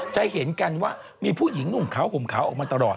จะเห็นกันว่ามีผู้หญิงหนุ่มขาวห่มขาวออกมาตลอด